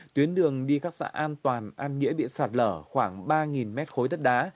tuyến đường đi các xã an toàn an nghĩa bị sạt lở khoảng ba mét khối đất đá